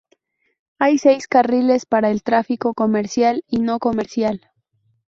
Hay seis carriles para el tráfico comercial y no comercial.